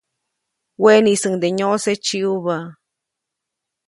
Weʼniʼisuŋde nyoʼse tsiʼubä.